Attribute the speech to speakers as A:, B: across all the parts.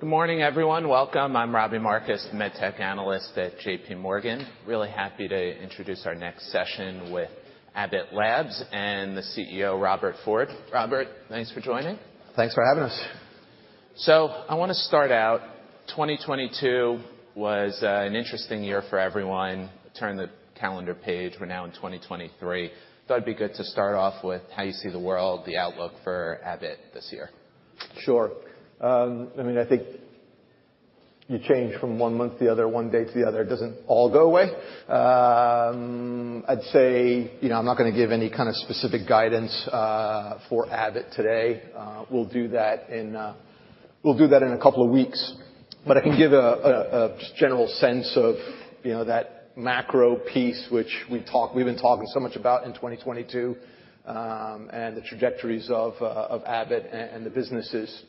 A: Good morning, everyone. Welcome. I'm Robbie Marcus, the Med Tech Analyst at JPMorgan. Really happy to introduce our next session with Abbott Labs and the CEO, Robert Ford. Robert, thanks for joining.
B: Thanks for having us.
A: I wanna start out, 2022 was an interesting year for everyone. Turn the calendar page, we're now in 2023. Thought it'd be good to start off with how you see the world, the outlook for Abbott this year.
B: Sure. I mean, I think you change from one month to the other, one day to the other. It doesn't all go away. I'd say, you know, I'm not gonna give any kind of specific guidance for Abbott today. We'll do that in a couple of weeks, but I can give a general sense of, you know, that macro piece which we've been talking so much about in 2022, and the trajectories of Abbott and the businesses.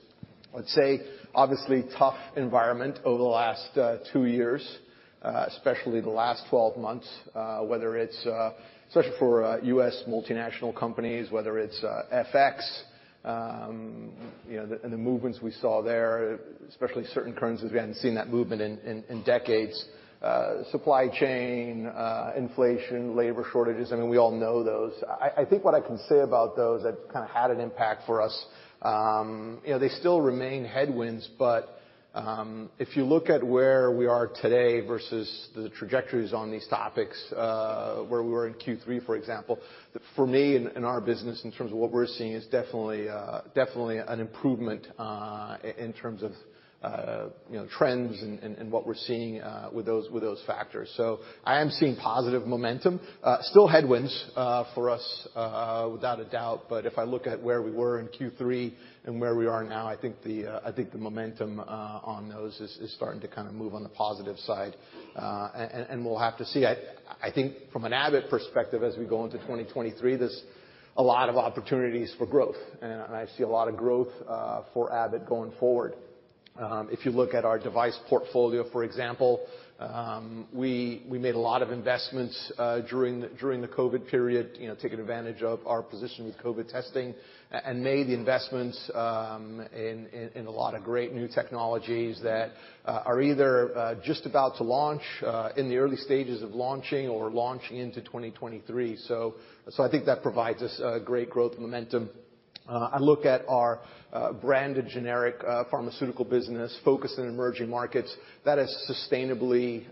B: I'd say, obviously, tough environment over the last two years, especially the last 12 months, whether it's especially for U.S. multinational companies, whether it's FX, you know, and the movements we saw there, especially certain currencies, we hadn't seen that movement in decades. Supply chain, inflation, labor shortages, I mean, we all know those. I think what I can say about those that kind of had an impact for us, you know, they still remain headwinds, but if you look at where we are today versus the trajectories on these topics, where we were in Q3, for example, for me in our business, in terms of what we're seeing is definitely an improvement, in terms of, you know, trends and what we're seeing with those factors. I am seeing positive momentum. Still headwinds for us, without a doubt. If I look at where we were in Q3 and where we are now, I think the momentum on those is starting to kind of move on the positive side. We'll have to see. I think from an Abbott perspective, as we go into 2023, there's a lot of opportunities for growth, and I see a lot of growth for Abbott going forward. If you look at our device portfolio, for example, we made a lot of investments during the COVID period, you know, taking advantage of our position with COVID testing and made the investments in a lot of great new technologies that are either just about to launch in the early stages of launching or launching into 2023. I think that provides us a great growth momentum. I look at our branded generic pharmaceutical business focused in emerging markets that has sustainably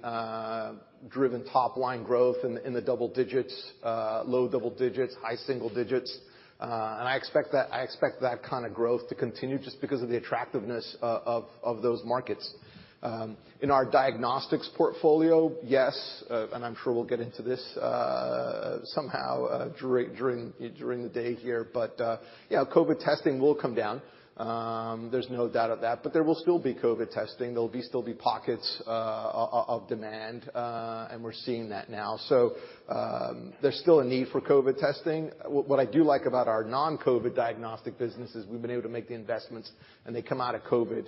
B: driven top-line growth in the double digits, low double digits, high single digits. I expect that kind of growth to continue just because of the attractiveness of those markets. In our diagnostics portfolio, yes, I'm sure we'll get into this somehow during the day here, yeah, COVID testing will come down. There's no doubt of that, there will still be COVID testing. There'll still be pockets of demand, we're seeing that now. There's still a need for COVID testing. What I do like about our non-COVID diagnostic business is we've been able to make the investments, and they come out of COVID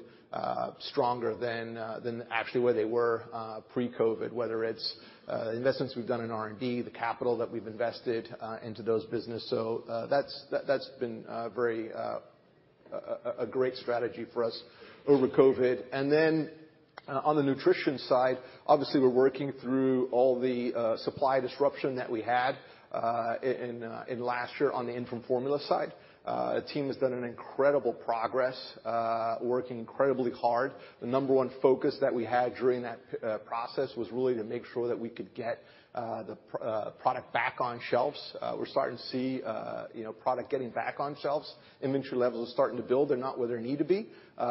B: stronger than actually where they were pre-COVID, whether it's investments we've done in R&D, the capital that we've invested into those business. That's been a very great strategy for us over COVID. On the nutrition side, obviously, we're working through all the supply disruption that we had in last year on the infant formula side. The team has done incredible progress, working incredibly hard. The number one focus that we had during that process was really to make sure that we could get the product back on shelves. We're starting to see, you know, product getting back on shelves. Inventory levels are starting to build. They're not where they need to be, but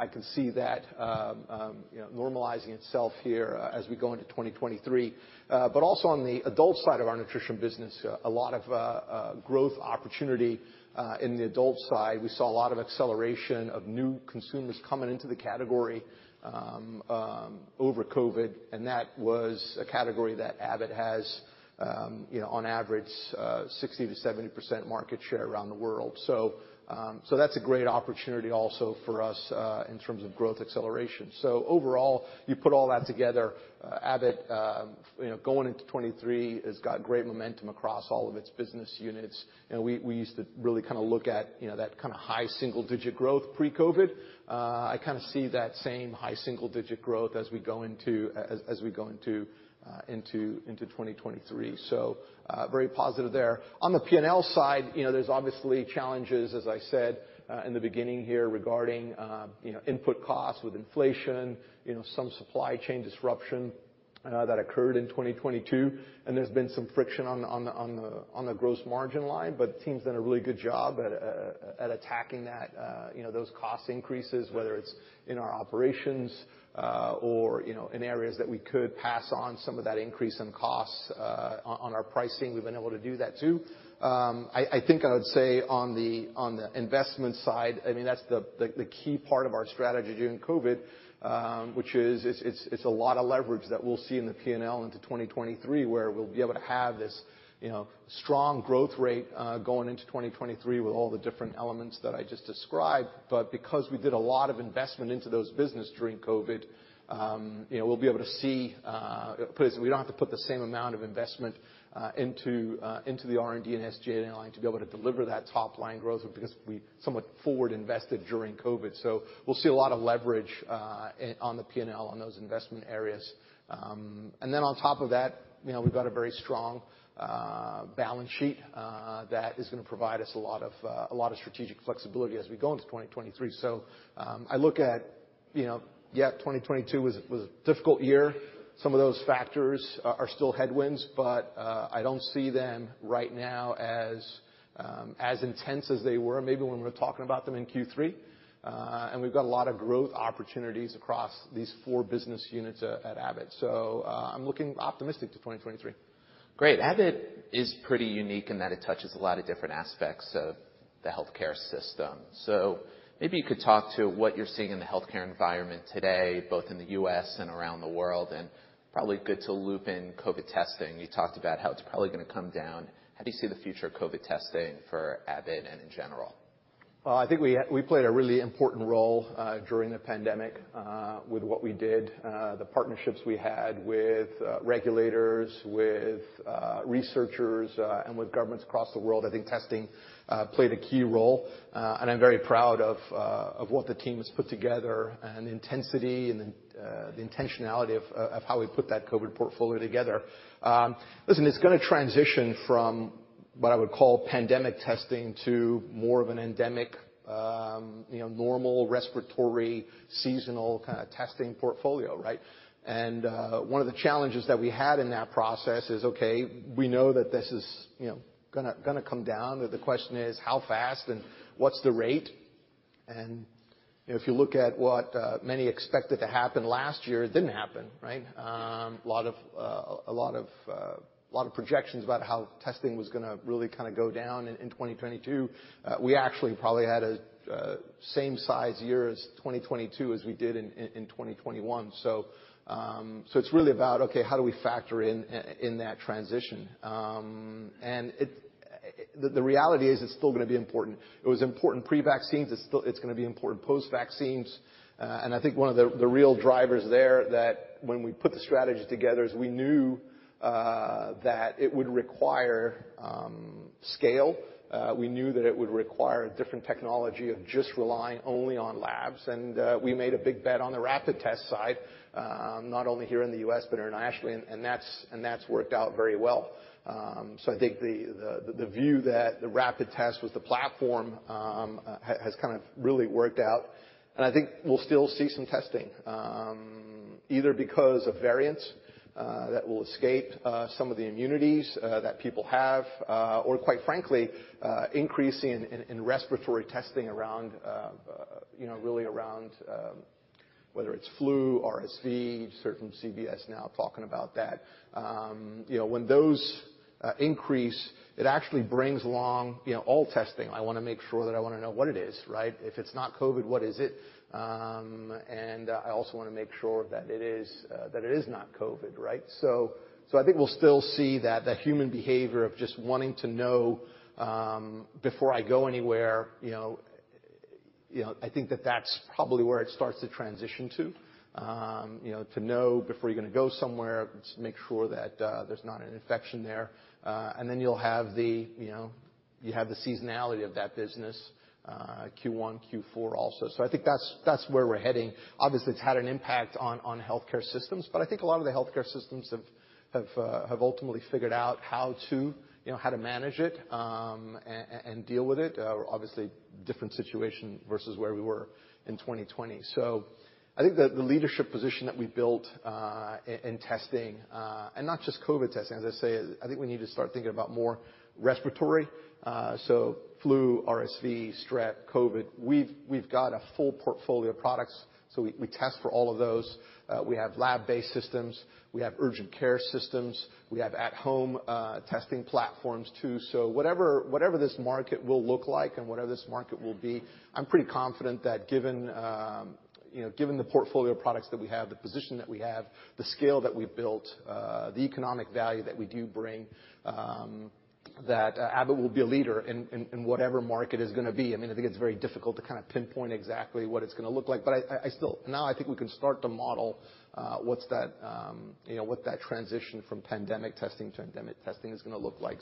B: I can see that, you know, normalizing itself here, as we go into 2023. Also on the adult side of our nutrition business, a lot of growth opportunity in the adult side. We saw a lot of acceleration of new consumers coming into the category, over COVID, and that was a category that Abbott has, you know, on average, 60%-70% market share around the world. That's a great opportunity also for us in terms of growth acceleration. Overall, you put all that together, Abbott, you know, going into 2023 has got great momentum across all of its business units. You know, we used to really kind of look at, you know, that kind of high single digit growth pre-COVID. I kind of see that same high single digit growth as we go into, as we go into 2023. Very positive there. On the P&L side, you know, there's obviously challenges, as I said, in the beginning here regarding, you know, input costs with inflation, you know, some supply chain disruption that occurred in 2022, and there's been some friction on the gross margin line, but the team's done a really good job at attacking that, you know, those cost increases, whether it's in our operations, or, you know, in areas that we could pass on some of that increase in costs on our pricing. We've been able to do that too. I think I would say on the investment side, I mean, that's the key part of our strategy during COVID, which is it's a lot of leverage that we'll see in the P&L into 2023, where we'll be able to have this, you know, strong growth rate going into 2023 with all the different elements that I just described. Because we did a lot of investment into those business during COVID, you know, we'll be able to see, we don't have to put the same amount of investment into the R&D and SGA line to be able to deliver that top-line growth because we somewhat forward invested during COVID. We'll see a lot of leverage on the P&L on those investment areas. On top of that, you know, we've got a very strong balance sheet that is gonna provide us a lot of strategic flexibility as we go into 2023. You know, yeah, 2022 was a difficult year. Some of those factors are still headwinds, I don't see them right now as intense as they were maybe when we were talking about them in Q3. We've got a lot of growth opportunities across these four business units at Abbott. I'm looking optimistic to 2023.
A: Great. Abbott is pretty unique in that it touches a lot of different aspects of the healthcare system. Maybe you could talk to what you're seeing in the healthcare environment today, both in the U.S. and around the world, and probably good to loop in COVID testing. You talked about how it's probably gonna come down. How do you see the future of COVID testing for Abbott and in general?
B: Well, I think we played a really important role during the pandemic with what we did, the partnerships we had with regulators, with researchers, with governments across the world. I think testing played a key role. I'm very proud of what the team has put together and the intensity and the intentionality of how we put that COVID portfolio together. Listen, it's gonna transition from what I would call pandemic testing to more of an endemic, you know, normal respiratory, seasonal kinda testing portfolio, right? One of the challenges that we had in that process is, okay, we know that this is, you know, gonna come down, the question is, how fast and what's the rate? You know, if you look at what many expected to happen last year, it didn't happen, right? A lot of projections about how testing was gonna really kinda go down in 2022. We actually probably had a same size year as 2022 as we did in 2021. It's really about, okay, how do we factor in that transition? The reality is it's still gonna be important. It was important pre-vaccines. It's gonna be important post-vaccines. I think one of the real drivers there that when we put the strategy together is we knew that it would require scale. We knew that it would require a different technology of just relying only on labs. We made a big bet on the rapid test side, not only here in the U.S., but internationally, and that's worked out very well. I think the view that the rapid test was the platform has kind of really worked out, and I think we'll still see some testing, either because of variants that will escape some of the immunities that people have, or quite frankly, increasing in respiratory testing around, you know, really around whether it's flu, RSV, just heard from CVS now talking about that. You know, when those increase, it actually brings along, you know, all testing. I wanna make sure that I wanna know what it is, right? If it's not COVID, what is it? I also wanna make sure that it is that it is not COVID, right? I think we'll still see that human behavior of just wanting to know, before I go anywhere, you know, I think that that's probably where it starts to transition to, you know, to know before you're gonna go somewhere, just make sure that there's not an infection there. You'll have the, you know, you have the seasonality of that business, Q1, Q4 also. I think that's where we're heading. Obviously, it's had an impact on healthcare systems, but I think a lot of the healthcare systems have ultimately figured out how to, you know, how to manage it, and deal with it. Obviously different situation versus where we were in 2020. I think the leadership position that we built in testing, and not just COVID testing, as I say, I think we need to start thinking about more respiratory, so flu, RSV, strep, COVID. We've got a full portfolio of products, so we test for all of those. We have lab-based systems. We have urgent care systems. We have at-home testing platforms too. Whatever this market will look like and whatever this market will be, I'm pretty confident that given, you know, given the portfolio of products that we have, the position that we have, the scale that we've built, the economic value that we do bring, that Abbott will be a leader in whatever market is gonna be. I mean, I think it's very difficult to kind of pinpoint exactly what it's gonna look like. I still now I think we can start to model what that transition from pandemic testing to endemic testing is gonna look like.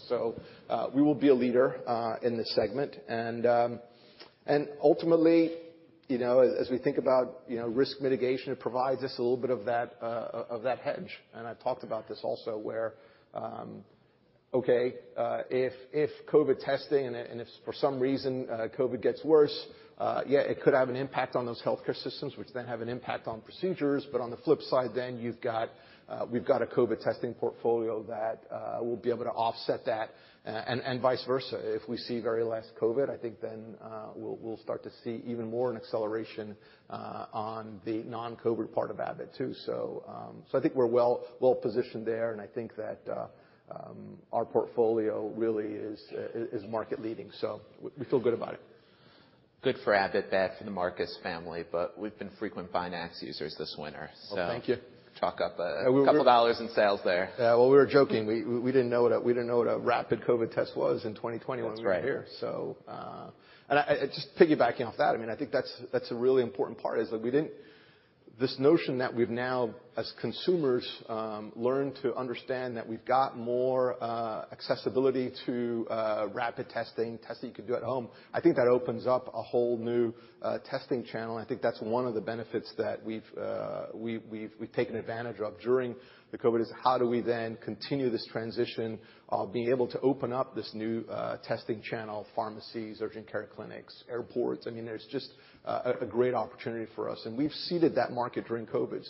B: We will be a leader in this segment. Ultimately, you know, as we think about, you know, risk mitigation, it provides us a little bit of that hedge. I've talked about this also where, okay, if COVID testing and if for some reason, COVID gets worse, yeah, it could have an impact on those healthcare systems, which then have an impact on procedures. On the flip side then, we've got a COVID testing portfolio that will be able to offset that, and vice versa. If we see very less COVID, I think then, we'll start to see even more an acceleration on the non-COVID part of Abbott too. I think we're well positioned there, and I think that our portfolio really is market leading, so we feel good about it.
A: Good for Abbott, bad for the Marcus family, but we've been frequent BinaxNOW users this winter.
B: Well, thank you.
A: Chalk up a couple dollars in sales there.
B: Yeah. Well, we were joking. We didn't know what a rapid COVID test was in 2020 when we were here.
A: That's right.
B: Just piggybacking off that, I mean, I think that's a really important part is that this notion that we've now, as consumers, learned to understand that we've got more accessibility to rapid testing you can do at home. I think that opens up a whole new testing channel. I think that's one of the benefits that we've taken advantage of during the COVID is how do we then continue this transition of being able to open up this new testing channel, pharmacies, urgent care clinics, airports. I mean, there's just a great opportunity for us, and we've seeded that market during COVID.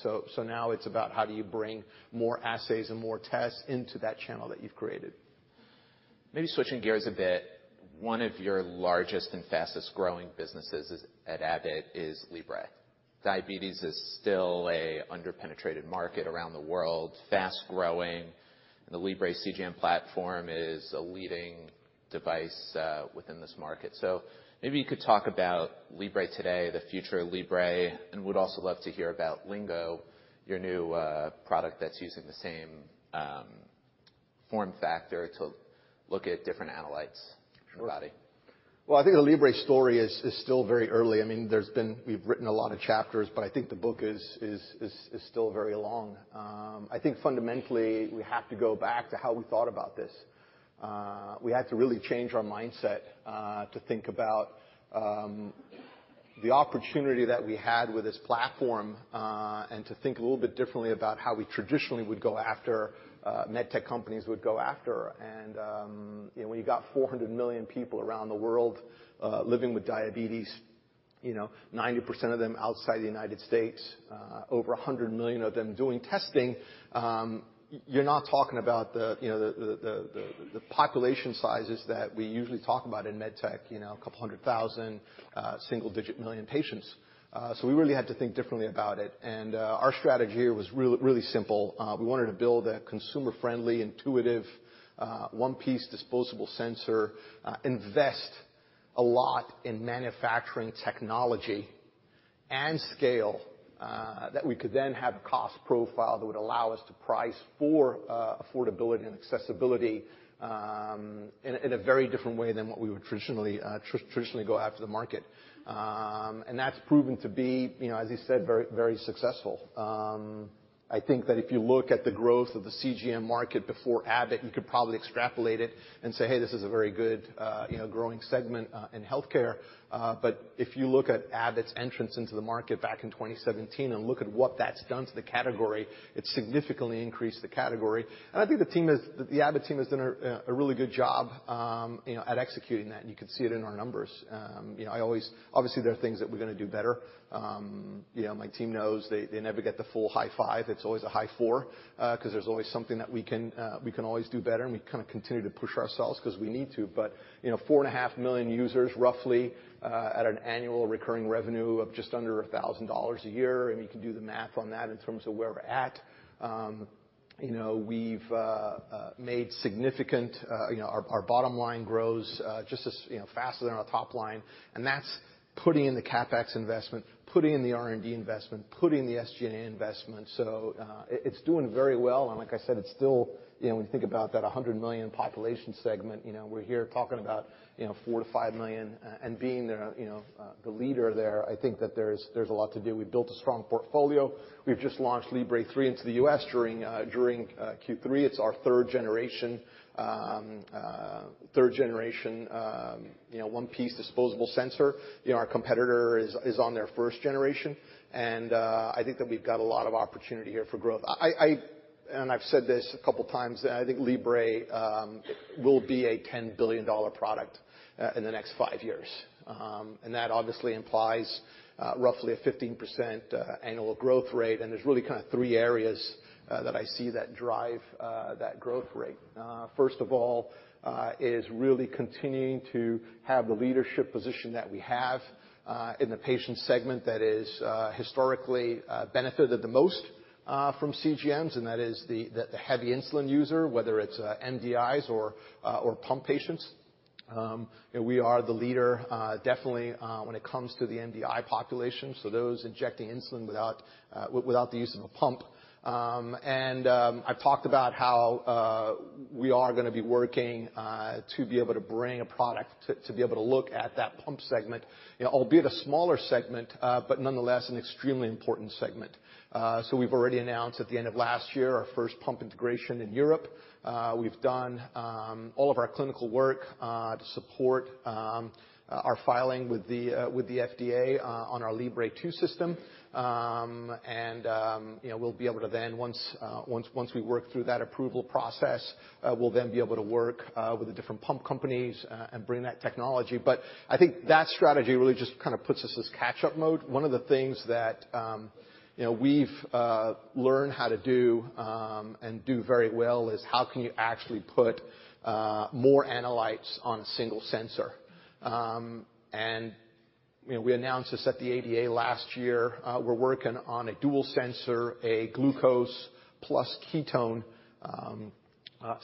B: Now, it's about how do you bring more assays and more tests into that channel that you've created.
A: Maybe switching gears a bit, one of your largest and fastest growing businesses at Abbott is Libre. Diabetes is still a under-penetrated market around the world, fast growing, and the Libre CGM platform is a leading device within this market. Maybe you could talk about Libre today, the future of Libre, and we'd also love to hear about Lingo, your new product that's using the same form factor to look at different analytes in the body.
B: Sure. Well, I think the Libre story is still very early. I mean, there's been... we've written a lot of chapters, but I think the book is still very long. I think fundamentally, we have to go back to how we thought about this. We had to really change our mindset, to think about the opportunity that we had with this platform, and to think a little bit differently about how we traditionally would go after med tech companies. You know, when you've got 400 million people around the world, living with diabetes, you know, 90% of them outside the United States, over 100 million of them doing testing, you're not talking about the, you know, the, the population sizes that we usually talk about in med tech, you know, a couple 100,000, single-digit million patients. We really had to think differently about it. Our strategy here was really simple. We wanted to build a consumer-friendly, intuitive, one-piece disposable sensor, invest a lot in manufacturing technology and scale, that we could then have a cost profile that would allow us to price for, affordability and accessibility, in a very different way than what we would traditionally go after the market. That's proven to be, you know, as you said, very, very successful. I think that if you look at the growth of the CGM market before Abbott, you could probably extrapolate it and say, "Hey, this is a very good, you know, growing segment in healthcare." If you look at Abbott's entrance into the market back in 2017 and look at what that's done to the category, it significantly increased the category. I think the Abbott team has done a really good job, you know, at executing that, and you can see it in our numbers. You know, obviously, there are things that we're gonna do better. You know, my team knows they never get the full high five. It's always a high four, 'cause there's always something that we can, we can always do better, and we kinda continue to push ourselves 'cause we need to. You know, 4.5 million users roughly, at an annual recurring revenue of just under $1,000 a year, and you can do the math on that in terms of where we're at. You know, we've made significant, you know, our bottom line grows, just as, you know, faster than our top line, and that's putting in the CapEx investment, putting in the R&D investment, putting the SG&A investment. It's doing very well. Like I said, it's still, you know, when you think about that 100 million population segment, you know, we're here talking about, you know, 4 million-5 million, and being the, you know, the leader there, I think that there's a lot to do. We've built a strong portfolio. We've just launched Libre 3 into the U.S. during Q3. It's our third generation, you know, one-piece disposable sensor. You know, our competitor is on their first generation, and I think that we've got a lot of opportunity here for growth. I've said this a couple times, I think Libre will be a $10 billion product in the next five years. That obviously implies roughly a 15% annual growth rate. There's really kinda three areas that I see that drive that growth rate. First of all, is really continuing to have the leadership position that we have in the patient segment that is historically benefited the most from CGMs, and that is the heavy insulin user, whether it's MDIs or pump patients. You know, we are the leader, definitely, when it comes to the MDI population, so those injecting insulin without the use of a pump. I've talked about how we are gonna be working to be able to bring a product, to be able to look at that pump segment, you know, albeit a smaller segment, but nonetheless, an extremely important segment. We've already announced at the end of last year our first pump integration in Europe. We've done all of our clinical work to support our filing with the FDA on our Libre 2 system. And, you know, we'll be able to then, once we work through that approval process, we'll then be able to work with the different pump companies and bring that technology. But I think that strategy really just kind of puts us as catch-up mode. One of the things that, you know, we've learned how to do and do very well is how can you actually put more analytes on a single sensor. And, you know, we announced this at the ADA last year. We're working on a dual sensor, a glucose plus ketone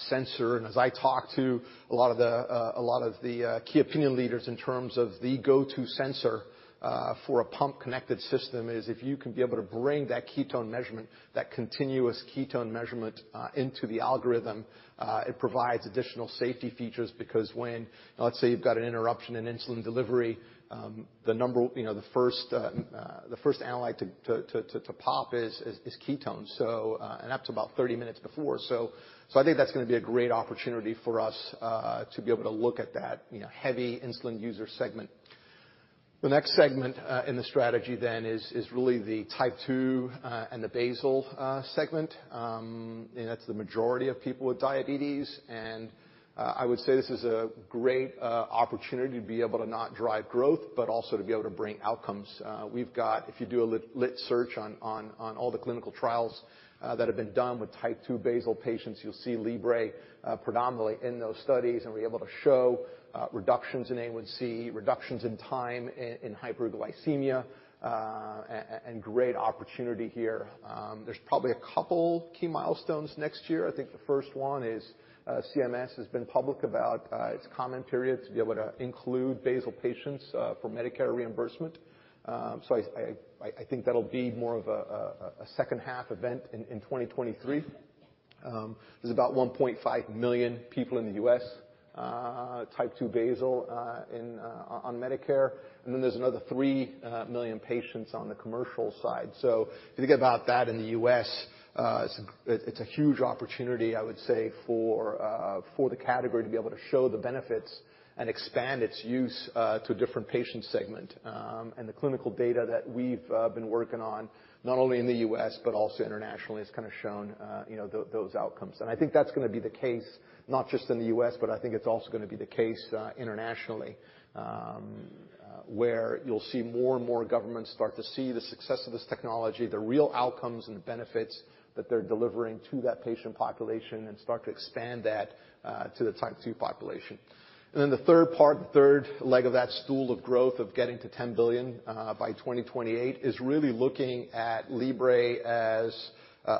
B: sensor. As I talk to a lot of the key opinion leaders in terms of the go-to sensor for a pump connected system, if you can be able to bring that ketone measurement, that continuous ketone measurement, into the algorithm, it provides additional safety features. Because when, let's say, you've got an interruption in insulin delivery, the first analyte to pop is ketones. That's about 30 minutes before. I think that's gonna be a great opportunity for us to be able to look at that, you know, heavy insulin user segment. The next segment in the strategy then is really the Type 2 and the basal segment. That's the majority of people with diabetes. I would say this is a great opportunity to be able to not drive growth, but also to be able to bring outcomes. If you do a lit search on all the clinical trials that have been done with Type 2 basal patients, you'll see Libre predominantly in those studies, and we're able to show reductions in A1C, reductions in time in hyperglycemia, and great opportunity here. There's probably a couple key milestones next year. I think the first one is, CMS has been public about its comment period to be able to include basal patients for Medicare reimbursement. I think that'll be more of a second half event in 2023. There's about 1.5 million people in the U.S., Type 2 basal, in on Medicare, then there's another 3 million patients on the commercial side. If you think about that in the U.S., it's a huge opportunity, I would say, for the category to be able to show the benefits and expand its use to a different patient segment. The clinical data that we've been working on, not only in the U.S., but also internationally, has kind of shown, you know, those outcomes. I think that's gonna be the case, not just in the U.S., but I think it's also gonna be the case internationally, where you'll see more and more governments start to see the success of this technology, the real outcomes and benefits that they're delivering to that patient population and start to expand that to the Type 2 population. Then the third part, the third leg of that stool of growth of getting to $10 billion by 2028, is really looking at Libre as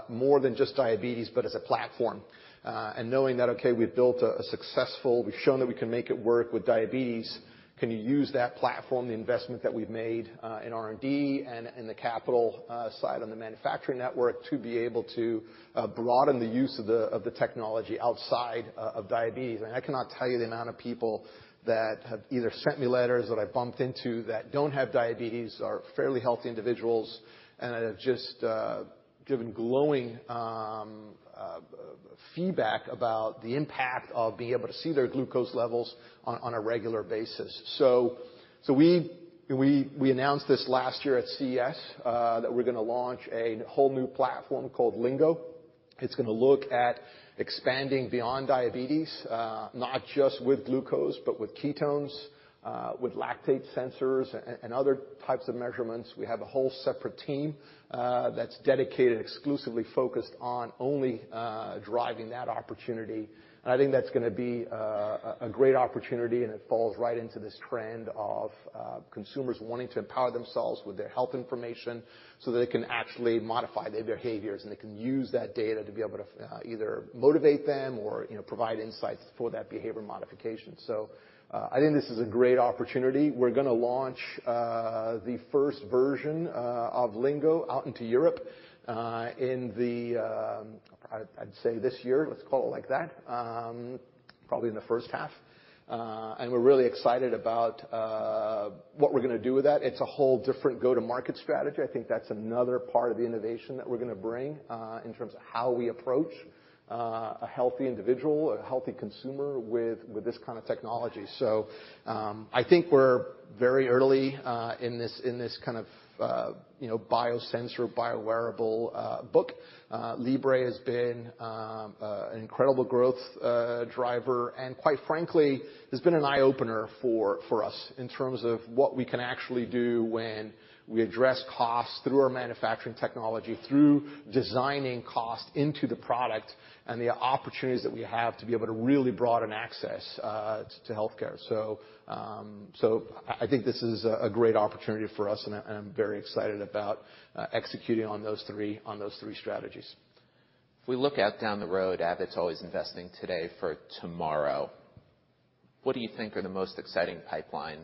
B: more than just diabetes, but as a platform. Knowing that, okay, we've shown that we can make it work with diabetes. Can you use that platform, the investment that we've made in R&D and the capital side on the manufacturing network to be able to broaden the use of the technology outside of diabetes? I cannot tell you the amount of people that have either sent me letters that I've bumped into that don't have diabetes, are fairly healthy individuals, and have just given glowing feedback about the impact of being able to see their glucose levels on a regular basis. We announced this last year at CES that we're gonna launch a whole new platform called Lingo. It's gonna look at expanding beyond diabetes, not just with glucose, but with ketones, with lactate sensors and other types of measurements. We have a whole separate team that's dedicated, exclusively focused on only driving that opportunity. I think that's gonna be a great opportunity, and it falls right into this trend of consumers wanting to empower themselves with their health information so they can actually modify their behaviors, and they can use that data to be able to either motivate them or, you know, provide insights for that behavior modification. I think this is a great opportunity. We're gonna launch the first version of Lingo out into Europe in the, I'd say this year. Let's call it like that. Probably in the first half. And we're really excited about what we're gonna do with that. It's a whole different go-to-market strategy. I think that's another part of the innovation that we're gonna bring in terms of how we approach a healthy individual, a healthy consumer with this kind of technology. I think we're very early in this kind of, you know, biosensor, biowearable book. Libre has been an incredible growth driver. Quite frankly, it's been an eye-opener for us in terms of what we can actually do when we address costs through our manufacturing technology, through designing cost into the product and the opportunities that we have to be able to really broaden access to healthcare. So I think this is a great opportunity for us, and I'm very excited about executing on those three strategies.
A: If we look at down the road, Abbott's always investing today for tomorrow. What do you think are the most exciting pipeline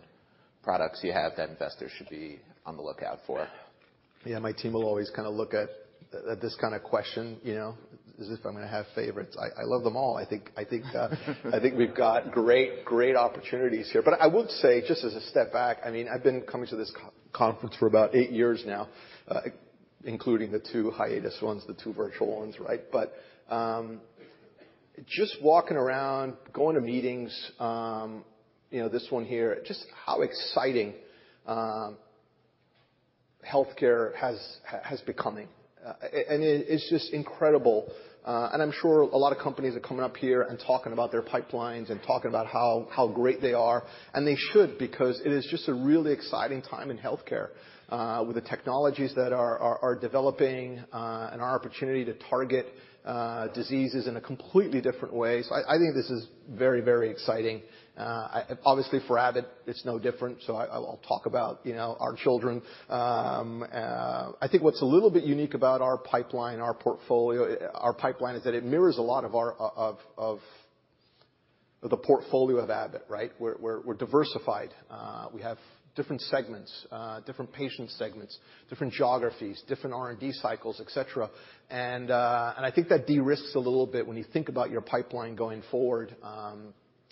A: products you have that investors should be on the lookout for?
B: Yeah, my team will always kind of look at this kind of question, you know, as if I'm gonna have favorites. I love them all. I think we've got great opportunities here. I would say, just as a step back, I mean, I've been coming to this conference for about eight years now, including the two hiatus ones, the two virtual ones, right? Just walking around, going to meetings, you know, this one here, just how exciting healthcare has becoming. It's just incredible. I'm sure a lot of companies are coming up here and talking about their pipelines and talking about how great they are, and they should because it is just a really exciting time in healthcare, with the technologies that are developing, and our opportunity to target diseases in a completely different way. I think this is very exciting. Obviously for Abbott, it's no different. I'll talk about, you know, our children. I think what's a little bit unique about our pipeline is that it mirrors a lot of our portfolio of Abbott, right? We're diversified. We have different segments, different patient segments, different geographies, different R&D cycles, et cetera. I think that de-risks a little bit when you think about your pipeline going forward.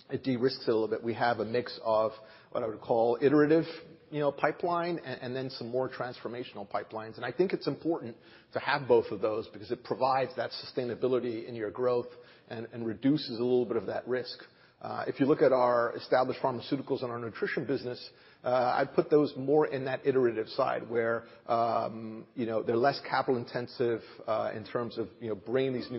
B: It de-risks a little bit. We have a mix of what I would call iterative, you know, pipeline and then some more transformational pipelines. I think it's important to have both of those because it provides that sustainability in your growth and reduces a little bit of that risk. If you look at our Established Pharmaceuticals and our nutrition business, I'd put those more in that iterative side, where, you know, they're less capital intensive, in terms of, you know, bringing these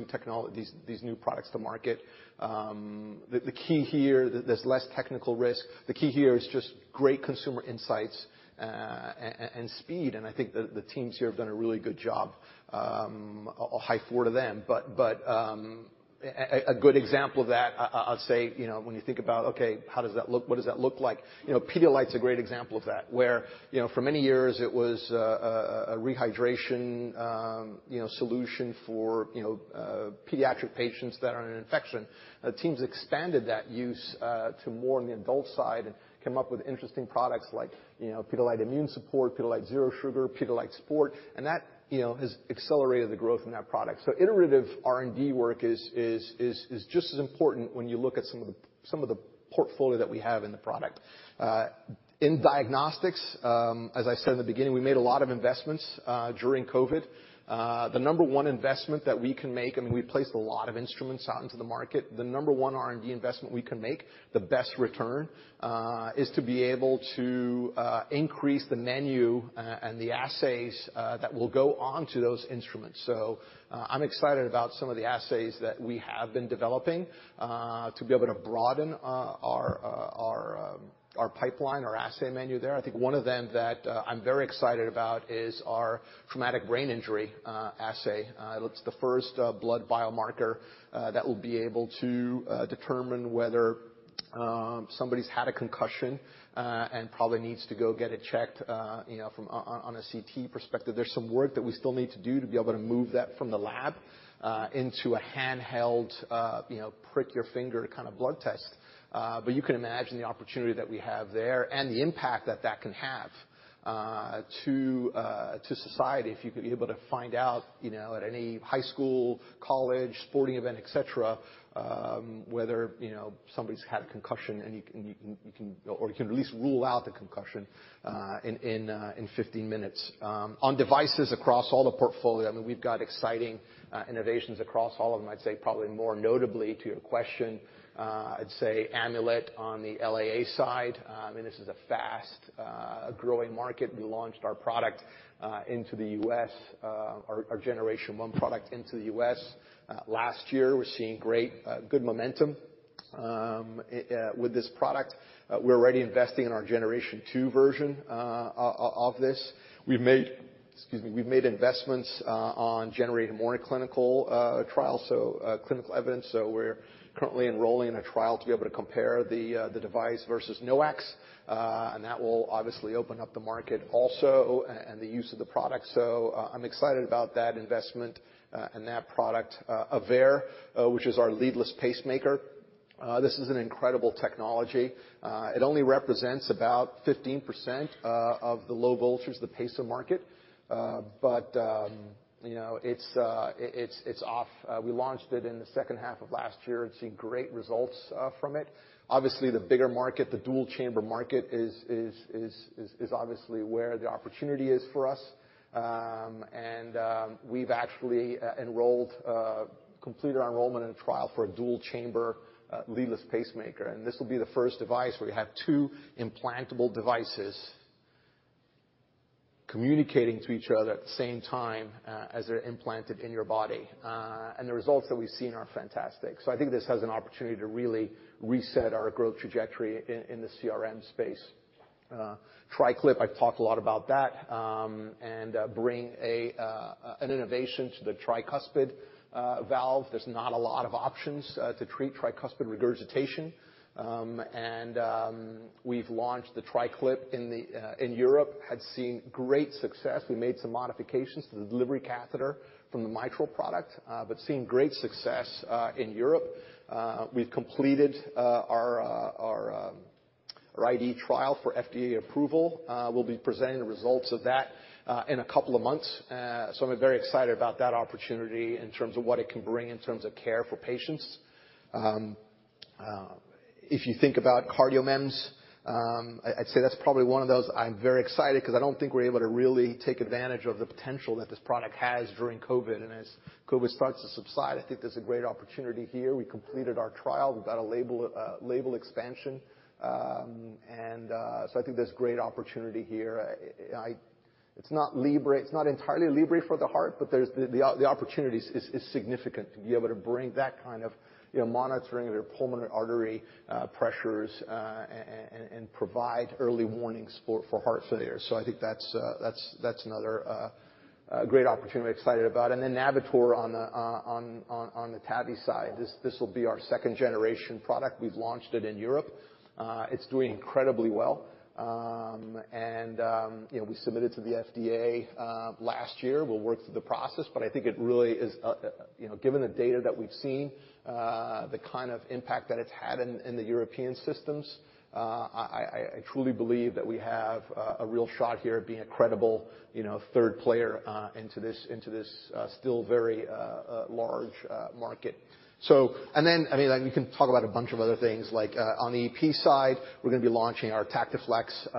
B: new products to market. The key here, there's less technical risk. The key here is just great consumer insights, and speed, and I think the teams here have done a really good job. A high four to them, but a good example of that I'll say, you know, when you think about, okay, how does that look? What does that look like? You know, Pedialyte's a great example of that, where, you know, for many years it was a rehydration, you know, solution for, you know, pediatric patients that are in infection. The teams expanded that use to more on the adult side and came up with interesting products like, you know, Pedialyte Immune Support, Pedialyte Zero Sugar, Pedialyte Sport, and that, you know, has accelerated the growth in that product. Iterative R&D work is just as important when you look at some of the portfolio that we have in the product. In diagnostics, as I said in the beginning, we made a lot of investments during COVID. The number one investment that we can make, I mean, we've placed a lot of instruments out into the market. The number one R&D investment we can make, the best return, is to be able to increase the menu and the assays that will go on to those instruments. I'm excited about some of the assays that we have been developing to be able to broaden our pipeline, our assay menu there. I think one of them that I'm very excited about is our traumatic brain injury assay. It's the first blood biomarker that will be able to determine whether somebody's had a concussion and probably needs to go get it checked, you know, on a CT perspective. There's some work that we still need to do to be able to move that from the lab into a handheld, you know, prick your finger kind of blood test. You can imagine the opportunity that we have there and the impact that that can have to to society if you could be able to find out, you know, at any high school, college, sporting event, et cetera, whether, you know, somebody's had a concussion and you can, or you can at least rule out the concussion in 15 minutes. On devices across all the portfolio, I mean, we've got exciting innovations across all of them. I'd say probably more notably to your question, I'd say Amulet on the LAA side. This is a fast growing market. We launched our product into the U.S., our Generation 1 product into the U.S. last year. We're seeing great good momentum with this product. We're already investing in our Generation 2 version of this. We've made, excuse me, we've made investments on generating more clinical trials, so clinical evidence. We're currently enrolling in a trial to be able to compare the device versus NOACs, and that will obviously open up the market also and the use of the product. I'm excited about that investment and that product. Aveir, which is our leadless pacemaker, this is an incredible technology. It only represents about 15% of the low voltage, the pacer market, you know, it's off. We launched it in the second half of last year and seen great results from it. Obviously, the bigger market, the dual chamber market is obviously where the opportunity is for us. We've actually enrolled, completed our enrollment in a trial for a dual chamber leadless pacemaker, and this will be the first device where you have two implantable devices communicating to each other at the same time as they're implanted in your body. The results that we've seen are fantastic. I think this has an opportunity to really reset our growth trajectory in the CRM space. TriClip, I've talked a lot about that, bring an innovation to the tricuspid valve. There's not a lot of options to treat tricuspid regurgitation. We've launched the TriClip in Europe, had seen great success. We made some modifications to the delivery catheter from the mitral product, but seen great success in Europe. We've completed our IDE trial for FDA approval. We'll be presenting the results of that in a couple of months. I'm very excited about that opportunity in terms of what it can bring in terms of care for patients. If you think about CardioMEMS, I'd say that's probably one of those I'm very excited because I don't think we're able to really take advantage of the potential that this product has during COVID. As COVID starts to subside, I think there's a great opportunity here. We completed our trial. We've got a label expansion. I think there's great opportunity here. It's not libre. It's not entirely libre for the heart, but there's the opportunity is significant to be able to bring that kind of, you know, monitoring their pulmonary artery pressures and provide early warnings for heart failures. I think that's another great opportunity I'm excited about Navitor on the TAVI side. This will be our second generation product. We've launched it in Europe. It's doing incredibly well. You know, we submitted to the FDA last year. We'll work through the process, but I think it really is, you know, given the data that we've seen, the kind of impact that it's had in the European systems, I truly believe that we have a real shot here at being a credible, you know, third player, into this, still very large market. I mean, you can talk about a bunch of other things like on the EP side, we're gonna be launching our TactiFlex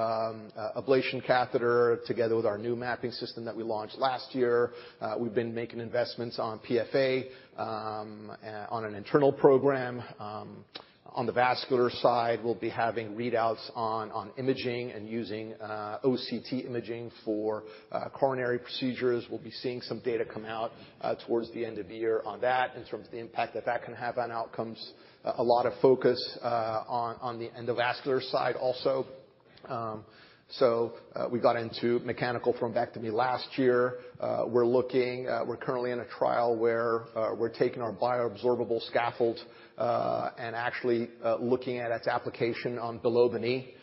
B: ablation catheter together with our new mapping system that we launched last year. We've been making investments on PFA on an internal program. On the vascular side, we'll be having readouts on imaging and using OCT imaging for coronary procedures. We'll be seeing some data come out towards the end of the year on that, in terms of the impact that that can have on outcomes. A lot of focus on the endovascular side also. We got into mechanical thrombectomy last year. We're currently in a trial where we're taking our bioabsorbable scaffold and actually looking at its application on below the knee.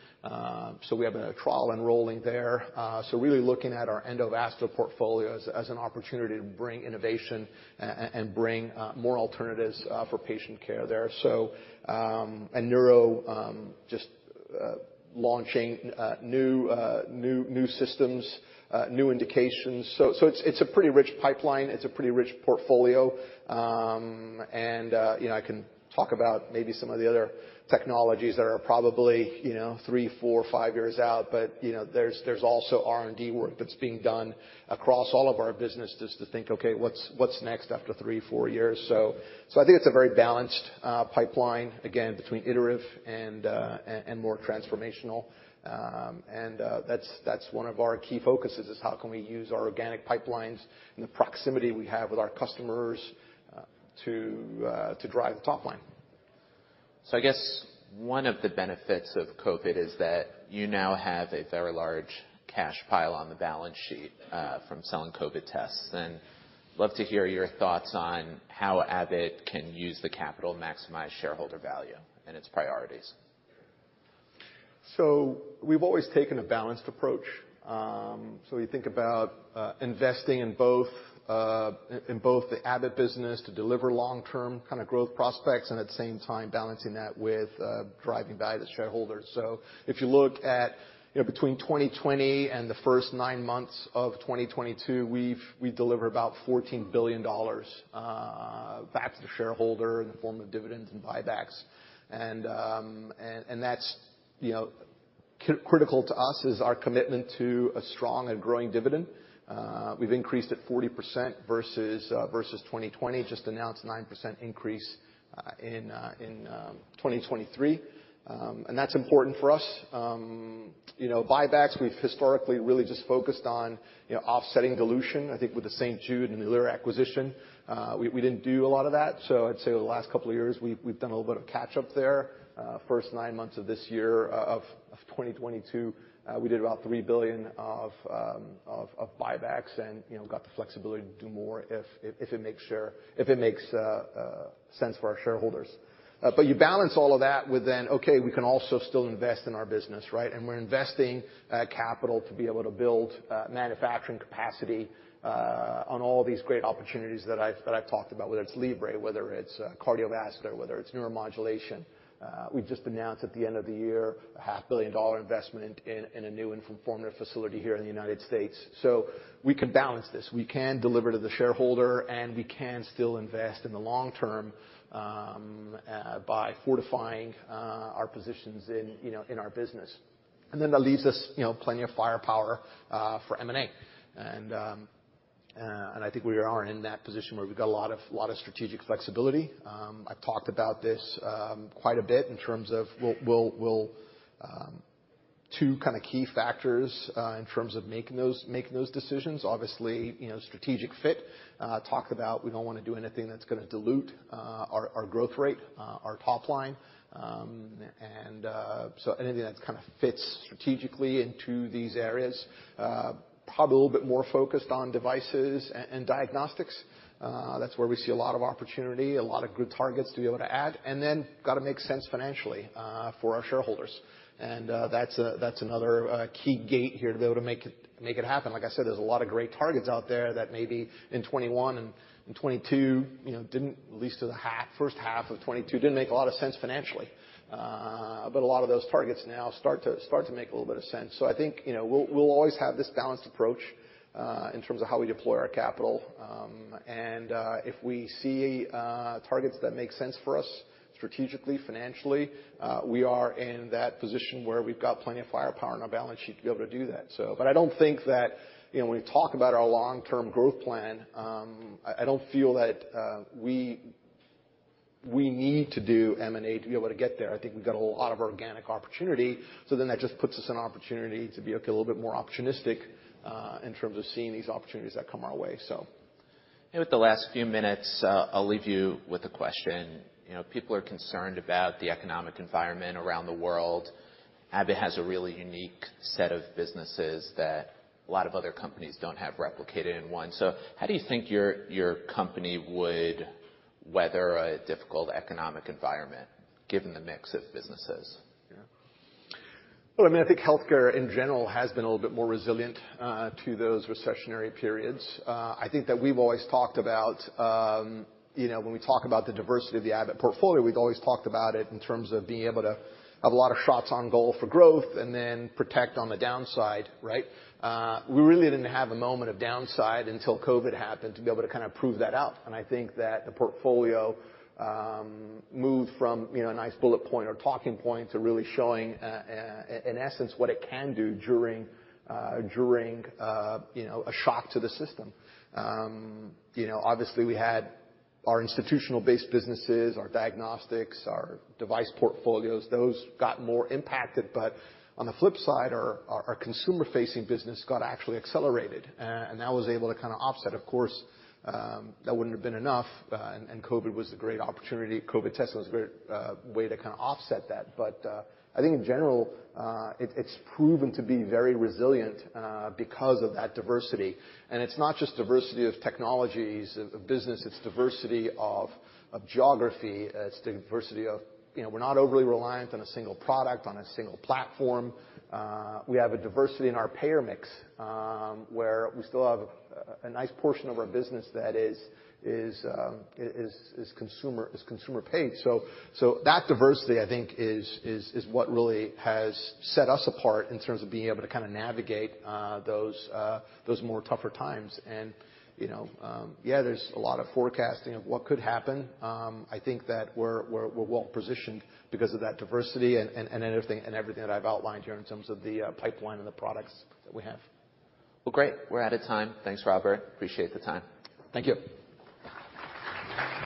B: We have a trial enrolling there. Really looking at our endovascular portfolio as an opportunity to bring innovation and bring more alternatives for patient care there. Neuro, just launching new systems, new indications. It's a pretty rich pipeline. It's a pretty rich portfolio. You know, I can talk about maybe some of the other technologies that are probably, you know, three, four, five years out. You know, there's also R&D work that's being done across all of our businesses to think, okay, what's next after three, four years? I think it's a very balanced pipeline, again, between iterative and more transformational. That's one of our key focuses, is how can we use our organic pipelines and the proximity we have with our customers to drive the top line.
A: I guess, one of the benefits of COVID is that you now have a very large cash pile on the balance sheet from selling COVID tests. Love to hear your thoughts on how Abbott can use the capital to maximize shareholder value and its priorities.
B: We've always taken a balanced approach. We think about investing in both the Abbott business to deliver long-term kind of growth prospects and at the same time balancing that with driving value to shareholders. If you look at, you know, between 2020 and the first nine months of 2022, we delivered about $14 billion back to the shareholder in the form of dividends and buybacks. That's, you know, critical to us is our commitment to a strong and growing dividend. We've increased it 40% versus 2020. Just announced 9% increase in 2023. That's important for us. You know, buybacks, we've historically really just focused on, you know, offsetting dilution. I think with the St. Jude Medical and the Alere acquisition, we didn't do a lot of that. I'd say the last couple of years, we've done a little bit of catch up there. First nine months of this year of 2022, we did about $3 billion of buybacks and, you know, got the flexibility to do more if it makes sense for our shareholders. You balance all of that with, okay, we can also still invest in our business, right? We're investing capital to be able to build manufacturing capacity on all these great opportunities that I've talked about, whether it's Libre, whether it's cardiovascular, whether it's neuromodulation. We've just announced at the end of the year, a half billion dollar investment in a new and former facility here in the United States. We can balance this. We can deliver to the shareholder, and we can still invest in the long term, by fortifying our positions in, you know, in our business. That leaves us, you know, plenty of firepower for M&A. I think we are in that position where we've got a lot of strategic flexibility. I've talked about this quite a bit in terms of we'll two kind of key factors in terms of making those decisions, obviously, you know, strategic fit. Talk about we don't wanna do anything that's gonna dilute our growth rate, our top line. So anything that kind of fits strategically into these areas, probably a little bit more focused on devices and diagnostics. That's where we see a lot of opportunity, a lot of good targets to be able to add, and then gotta make sense financially for our shareholders. That's another key gate here to be able to make it happen. Like I said, there's a lot of great targets out there that maybe in 2021 and in 2022, you know, didn't, at least to the first half of 2022, didn't make a lot of sense financially. A lot of those targets now start to make a little bit of sense. I think, you know, we'll always have this balanced approach in terms of how we deploy our capital. If we see targets that make sense for us strategically, financially, we are in that position where we've got plenty of firepower on our balance sheet to be able to do that. I don't think that, you know, when we talk about our long-term growth plan, I don't feel that we need to do M&A to be able to get there. I think we've got a lot of organic opportunity, so then that just puts us in an opportunity to be, okay, a little bit more opportunistic in terms of seeing these opportunities that come our way.
A: With the last few minutes, I'll leave you with a question. You know, people are concerned about the economic environment around the world. Abbott has a really unique set of businesses that a lot of other companies don't have replicated in one. How do you think your company would weather a difficult economic environment given the mix of businesses?
B: Well, I mean, I think healthcare in general has been a little bit more resilient to those recessionary periods. I think that we've always talked about, you know, when we talk about the diversity of the Abbott portfolio, we've always talked about it in terms of being able to have a lot of shots on goal for growth and then protect on the downside, right? We really didn't have a moment of downside until COVID happened to be able to kind of prove that out. I think that the portfolio moved from, you know, a nice bullet point or talking point to really showing in essence, what it can do during during, you know, a shock to the system. You know, obviously we had our institutional-based businesses, our diagnostics, our device portfolios, those got more impacted. On the flip side, our consumer-facing business got actually accelerated, and that was able to kinda offset. Of course, that wouldn't have been enough, and COVID was a great opportunity. COVID test was a great way to kinda offset that. I think in general, it's proven to be very resilient because of that diversity. It's not just diversity of technologies of business, it's diversity of geography. It's diversity of, you know, we're not overly reliant on a single product, on a single platform. We have a diversity in our payer mix, where we still have a nice portion of our business that is consumer paid. That diversity, I think is what really has set us apart in terms of being able to kinda navigate those more tougher times. You know, yeah, there's a lot of forecasting of what could happen. I think that we're well positioned because of that diversity and everything, and everything that I've outlined here in terms of the pipeline and the products that we have.
A: Well, great. We're out of time. Thanks, Robert. Appreciate the time.
B: Thank you.